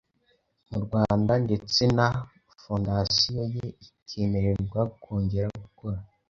mu Rwanda ndetse na 'Fondasiyo ye ikemererwa kongera gukora.